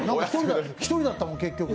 １人だったもん、結局。